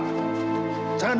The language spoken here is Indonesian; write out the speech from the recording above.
jangan buang waktu